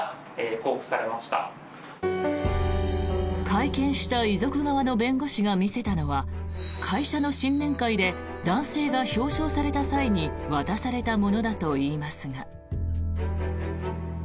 会見した遺族側の弁護士が見せたのは会社の新年会で男性が表彰された際に渡されたものだといいますが。